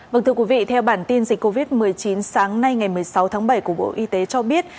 vâng thưa quý vị theo bản tin dịch covid một mươi chín sáng nay ngày một mươi sáu tháng bảy của bộ y tế cho biết